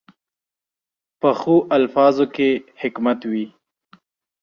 پخو الفاظو کې حکمت وي